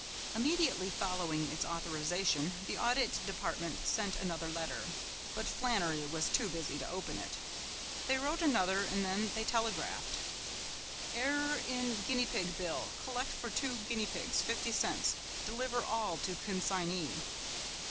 Immediately following its authorization the Audit Department sent another letter, but Flannery was too busy to open it. They wrote another and then they telegraphed: "Error in guinea pig bill. Collect for two guinea pigs, fifty cents. Deliver all to consignee."